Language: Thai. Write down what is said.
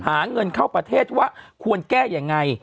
หาเงินเข้าประเทศว่าควรแก้ยังไง